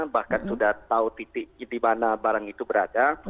bahkan sudah tahu titik di mana barang itu berada